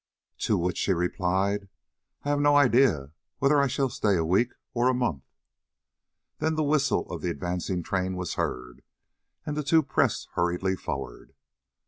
To which she replied: "I have no idea whether I shall stay a week or a month." Then the whistle of the advancing train was heard, and the two pressed hurriedly forward.